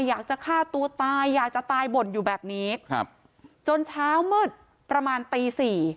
อยากจะฆ่าตัวตายอยากจะตายบ่นอยู่แบบนี้ครับจนเช้ามืดประมาณตีสี่